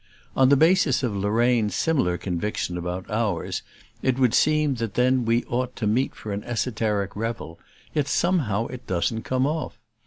On the basis of Lorraine's similar conviction about ours it would seem then that we ought to meet for an esoteric revel; yet somehow it doesn't come off.